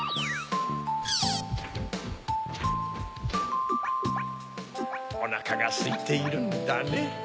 ・キュン・おなかがすいているんだね。